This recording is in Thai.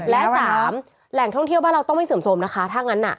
และสามแหล่งท่องเที่ยวบ้านเราต้องไม่เสื่อมสมนะคะถ้างั้นน่ะ